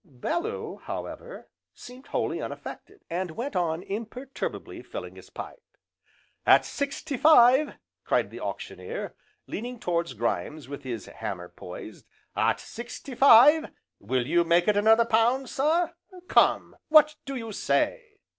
Bellew, however, seemed wholly unaffected, and went on imperturbably filling his pipe. "At sixty five!" cried the Auctioneer, leaning towards Grimes with his hammer poised, "at sixty five Will you make it another pound, sir! come, what do you say?"